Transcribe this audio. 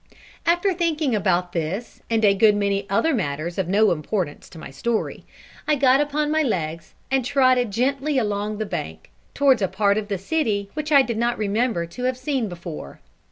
After thinking about this and a good many other matters of no importance to my story, I got upon my legs, and trotted gently along the bank, towards a part of the city which I did not remember to have seen before.